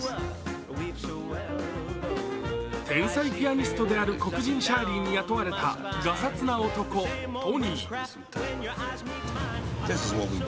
天才ピアニストである黒人、シャーリーに雇われたがさつな男、トニー。